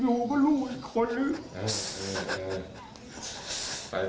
ลูกนั่นแหละที่เป็นคนผิดที่ทำแบบนี้